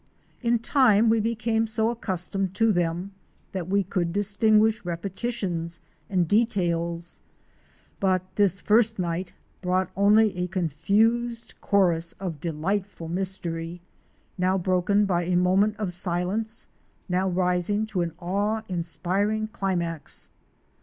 In time we became so accustomed to them that we could distinguish repetitions and details, but this first night brought only a confused chorus of delightful mystery, now broken by a moment of silence, now rising to an awe inspiring climax.